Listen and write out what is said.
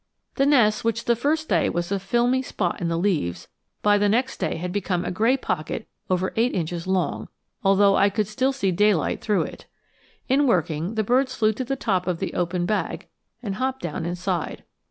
The nest, which the first day was a filmy spot in the leaves, by the next day had become a gray pocket over eight inches long, although I could still see daylight through it. In working, the birds flew to the top of the open bag and hopped down inside.